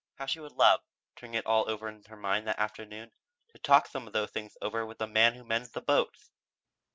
How she would love turning it all over in her mind that afternoon to talk some of those things over with "the man who mends the boats"!